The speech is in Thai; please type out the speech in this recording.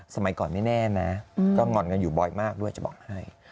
สมัยก่อนไม่แน่นะก็ง่อนกันอยู่บ่อยมากด้วยจะบอกให้